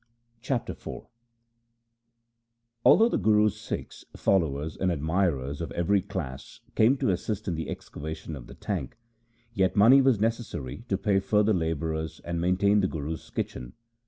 Chapter IV Although the Guru's Sikhs, followers, and admirers of every class came to assist in the excavation of the tank, yet money was necessary to pay further labourers and maintain the Guru's kitchen.